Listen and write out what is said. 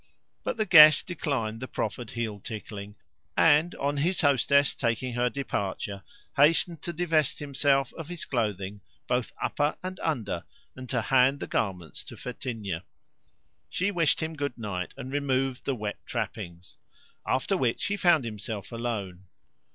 But the guest declined the proffered heel tickling, and, on his hostess taking her departure, hastened to divest himself of his clothing, both upper and under, and to hand the garments to Fetinia. She wished him good night, and removed the wet trappings; after which he found himself alone.